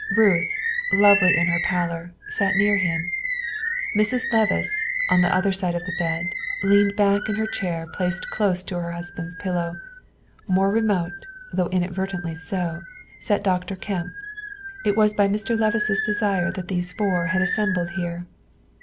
Ruth, lovely in her pallor, sat near him; Mrs. Levice, on the other side of the bed, leaned back in her chair placed close to her husband's pillow; more remote, though inadvertently so, sat Dr. Kemp. It was by Mr. Levice's desire that these four had assembled here.